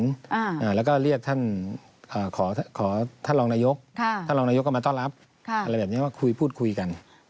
ตำรวจไปหลายนายไหมคะ